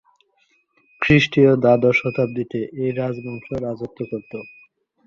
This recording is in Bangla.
খ্রিস্টীয় দ্বাদশ শতাব্দীতে এই রাজবংশ রাজত্ব করত।